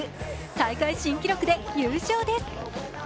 大会新記録で優勝です。